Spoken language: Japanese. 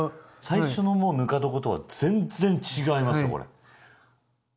最初のぬか床とは全然違いますよこれ。